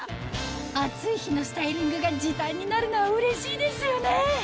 暑い日のスタイリングが時短になるのはうれしいですよね！